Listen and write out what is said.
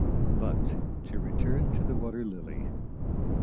But to return to the Water Lily.